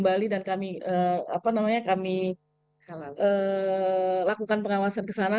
kembali dan kami lakukan pengawasan ke sana